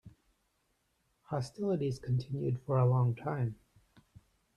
Hostilities continued for a long time.